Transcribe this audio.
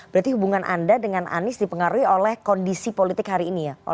berarti hubungan anda dengan anies dipengaruhi oleh kondisi politik hari ini ya